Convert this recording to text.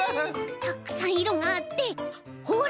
たくさんいろがあってほら！